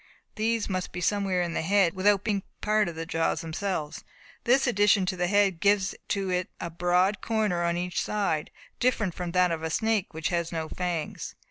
These must be somewhere in the head, without being part of the jaws themselves. This addition to the head gives to it a broad corner on each side, different from that of a snake which has no fangs.